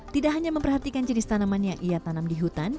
tidak hanya memperhatikan jenis tanaman yang ia tanam di hutan